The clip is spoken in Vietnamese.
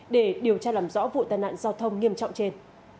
để điều tra làm rõ vụ tai nạn giao thông nghiêm trọng trên